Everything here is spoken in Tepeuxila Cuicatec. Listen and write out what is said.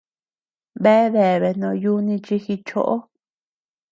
Bea deabea no yuni chi jichoó.